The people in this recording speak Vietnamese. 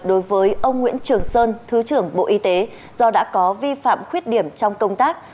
đối với ông nguyễn trường sơn thứ trưởng bộ y tế do đã có vi phạm khuyết điểm trong công tác